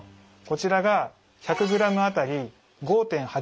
こちらが１００ｇあたり５．８ｍｇ。